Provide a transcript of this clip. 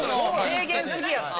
名言すぎやって。